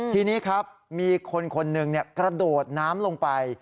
ทีนี้ครับมีคนคนหนึ่งกระโดดน้ำลงไป